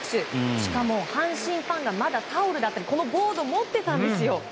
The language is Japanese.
しかも阪神ファンがまだタオルだったりボードを持っていたんですよ。